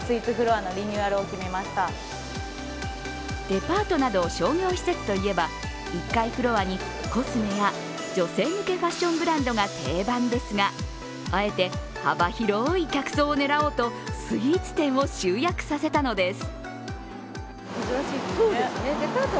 デパートなど商業施設といえば、１階フロアにコスメや女性向けファッションブランドですが、あえて、幅広い客層を狙おうとスイーツ店を集約させたのです。